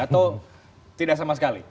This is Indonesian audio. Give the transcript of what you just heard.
atau tidak sama sekali